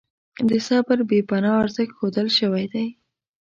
د صبر بې پناه ارزښت ښودل شوی دی.